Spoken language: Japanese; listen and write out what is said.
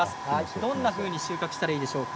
どんなふうに収穫したらいいでしょうか。